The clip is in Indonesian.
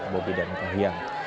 bobby dan kak hiang